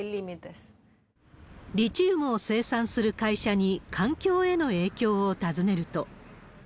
リチウムの生産する会社に、環境への影響を尋ねると。